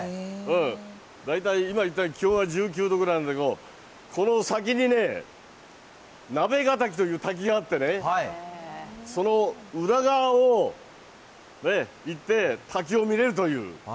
大体今言ったように気温は１９度ぐらいなんだけど、この先にね、なべが滝という滝があってね、その裏側を行って、滝を見れるという。